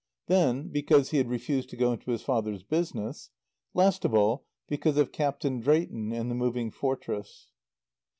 Then, because he had refused to go into his father's business. Last of all, because of Captain Drayton and the Moving Fortress.